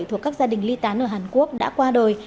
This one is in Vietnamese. thuộc các gia đình ly tán ở hàn quốc đã qua đời